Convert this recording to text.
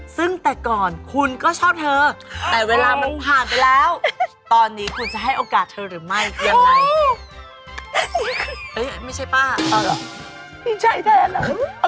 ซึ่งแต่ก่อนคุณก็ชอบเธอแต่เวลามันผ่านไปแล้วตอนนี้คุณจะให้โอกาสเธอหรือไม่ยังไง